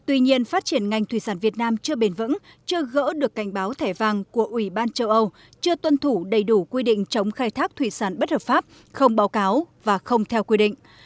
tuy nhiên phát triển ngành thủy sản việt nam chưa bền vững chưa gỡ được cảnh báo thẻ vàng của ủy ban châu âu chưa tuân thủ đầy đủ quy định chống khai thác thủy sản bất hợp pháp không báo cáo và không theo quy định